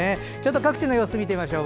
各地の様子を見てみましょう。